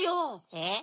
えっ？